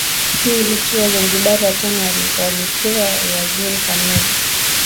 Si hivyo tu Wazanzibari watano walipewa uwaziri kamili